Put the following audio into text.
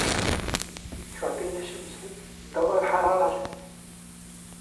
تعطينا الشمسُ الضوءَ والحرارةَ.